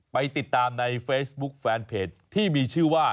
ไปติดตามในเฟซบุ๊คแฟนเพจที่มีชื่อว่า